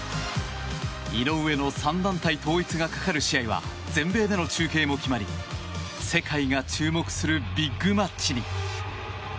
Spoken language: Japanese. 井上の３団体統一がかかる試合は全米での中継も決まり世界が注目するビッグマッチに。